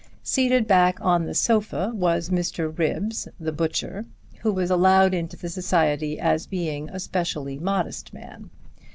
Seated back on the sofa was Mr. Ribbs, the butcher, who was allowed into the society as being a specially modest man.